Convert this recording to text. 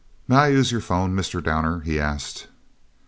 "May I use your phone, Mr. Downer?" he asked.